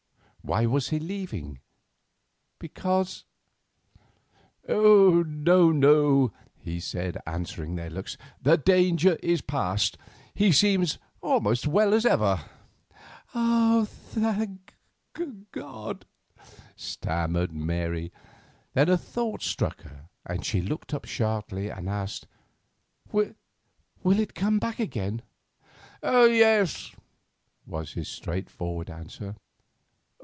Why was he leaving? Because—— "No, no," he said, answering their looks; "the danger is past. He seems almost as well as ever." "Thank God!" stammered Mary. Then a thought struck her, and she looked up sharply and asked, "Will it come back again?" "Yes," was his straightforward answer.